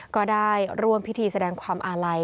ก็ได้ร่วมพิธีแสดงความอาลัย